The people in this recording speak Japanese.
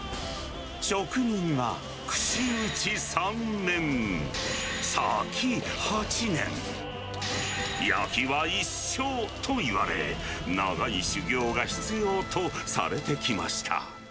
職人は串打ち三年、割き八年、焼きは一生と言われ、長い修業が必要とされてきました。